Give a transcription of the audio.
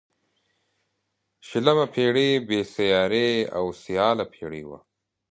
شلمه پيړۍ بې سیارې او سیاله پيړۍ وه.